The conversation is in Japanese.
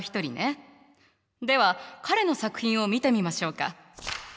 では彼の作品を見てみましょうか。